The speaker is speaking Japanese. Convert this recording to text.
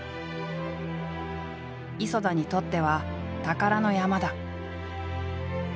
磯田にとっては宝の山だ。